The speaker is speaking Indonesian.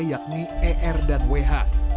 yakni er dan wh